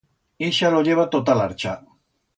Ixa lo lleva tot a l'archa.